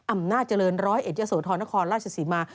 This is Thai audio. อำนาจเจริญร้อยเอ็ดยะโสธรนครราชศรีมา